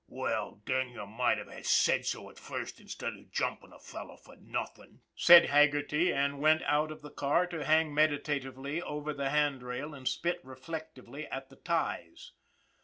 " Well, then, you might have said so at first, instead of jumpin' a fellow for nothin'," said Haggerty, and went out of the car to hang meditatively over the hand rail and spit reflectively at the ties.